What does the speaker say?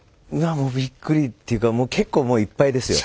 もうびっくりっていうか結構もういっぱいですよ。